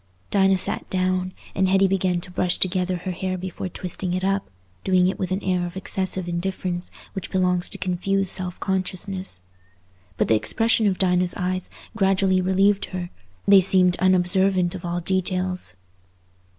Dinah sat down, and Hetty began to brush together her hair before twisting it up, doing it with that air of excessive indifference which belongs to confused self consciousness. But the expression of Dinah's eyes gradually relieved her; they seemed unobservant of all details.